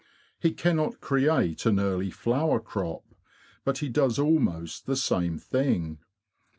He cannot create an early flower crop, but he does almost the same thing.